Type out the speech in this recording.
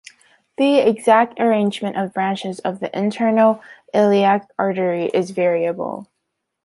The exact arrangement of branches of the internal iliac artery is variable.